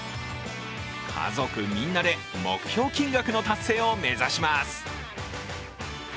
家族みんなで目標金額の達成を目指します。